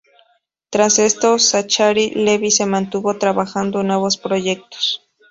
Tras esto, Zachary Levi se mantuvo trabajando en nuevos proyectos.